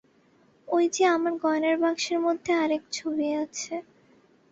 ঐ-যে আমার গয়নার বাক্সের মধ্যে আর-এক ছবি আছে।